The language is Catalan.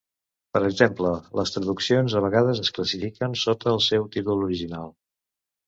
Per exemple, les traduccions a vegades es classifiquen sota el seu títol original.